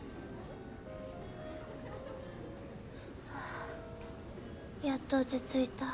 あやっと落ち着いた。